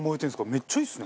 めっちゃいいですね。